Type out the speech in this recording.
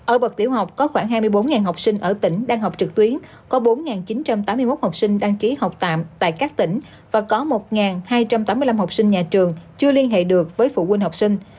ở bậc tiểu học có khoảng hai mươi bốn học sinh ở tỉnh đang học trực tuyến có bốn chín trăm tám mươi một học sinh đăng ký học tạm tại các tỉnh và có một hai trăm tám mươi năm học sinh nhà trường chưa liên hệ được với phụ huynh học sinh